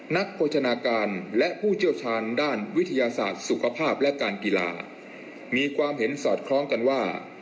โภชนาการและผู้เชี่ยวชาญด้านวิทยาศาสตร์สุขภาพและการกีฬามีความเห็นสอดคล้องกันว่า